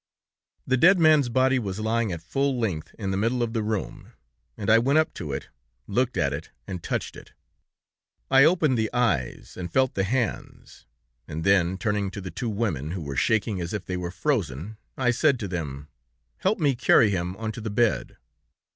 "The dead man's body was lying at full length in the middle of the room, and I went up to it, looked at it, and touched it. I opened the eyes, and felt the hands, and then, turning to the two women, who were shaking as if they were frozen, I said to them: 'Help me to carry him onto the bed.'